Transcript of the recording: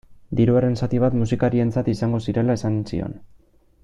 Diruaren zati bat musikarientzat izango zirela esan zion.